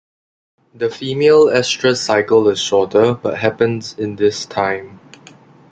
The female estrous cycle is shorter, but happens in this time.